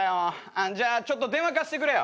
あっじゃあちょっと電話貸してくれよ。